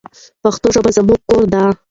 پښتو ژبه زموږ کور دی.